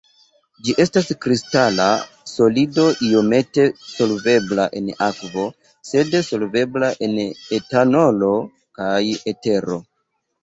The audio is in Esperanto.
Ĝi estas kristala solido iomete solvebla en akvo, sed solvebla en etanolo kaj etero.